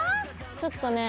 ちょっとね